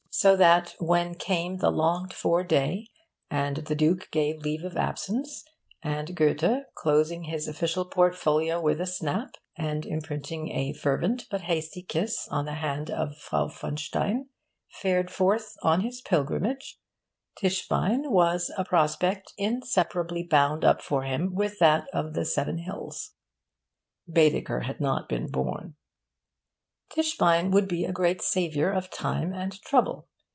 So that when came the longed for day, and the Duke gave leave of absence, and Goethe, closing his official portfolio with a snap and imprinting a fervent but hasty kiss on the hand of Frau von Stein, fared forth on his pilgrimage, Tischbein was a prospect inseparably bound up for him with that of the Seven Hills. Baedeker had not been born. Tischbein would be a great saviour of time and trouble.